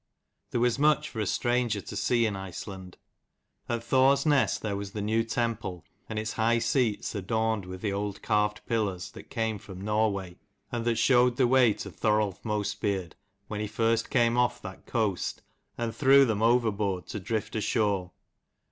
There was much for a stranger to see in Iceland. At Thor's ness there was the new temple, and its high seats adorned with the old carved pillars that came from Norway, and that showed the way to Thorolf Mostbeard, when first he came off that coast and threw them overboard to drift ashore.